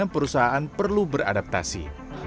perusahaan perlu beradaptasi